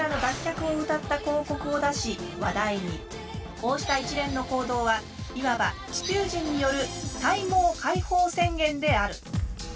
こうした一連の行動はいわば地球人による体毛解放宣言である。